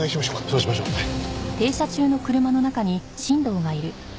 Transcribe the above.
そうしましょうはい。